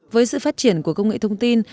với sự phát triển của công nghệ thông tin